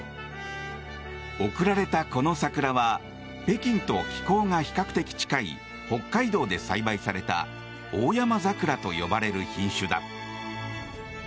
贈られたこの桜は北京と気候が比較的近い北海道で栽培されたオオヤマザクラと呼ばれる品種だ。